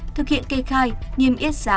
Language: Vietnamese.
thực hiện kê khai nghiêm yết giá